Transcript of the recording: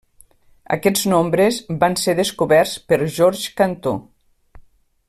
Aquests nombres van ser descoberts per George Cantor.